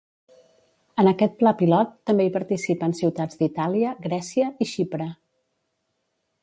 En aquest pla pilot també hi participen ciutats d'Itàlia, Grècia i Xipre.